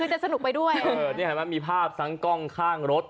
คือจะสนุกไปด้วยเออนี่เห็นไหมมีภาพทั้งกล้องข้างรถ